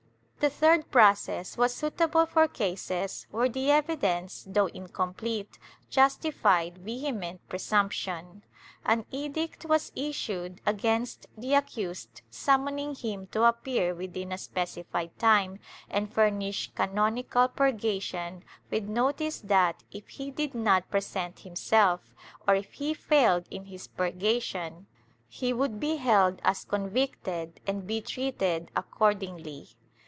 The third process was suitable for cases where the evidence, though incomplete, justified vehement presumption. An edict was issued against the accused summoning him to appear within a specified time and furnish canonical purgation, with notice that, if he did not present himself, or if he failed in his purgation, he would be held as convicted and be treated accordingly.